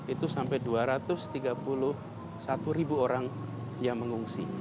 itu sampai dua ratus tiga puluh satu ribu orang yang mengungsi